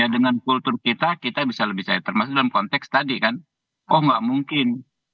dengan kultur kita kita bisa lebih saya termasuk dalam konteks tadi kan kok nggak mungkin